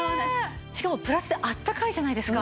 しかもプラスであったかいじゃないですか。